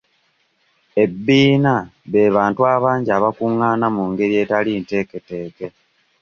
Ebbiina be bantu abangi abakungaana mu ngeri etali nteeketeeke.